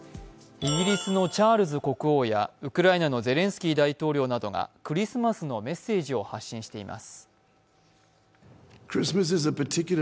イギリスのチャールズ国王やウクライナのゼレンスキー大統領などがクリスマスのメッセージを発信しています。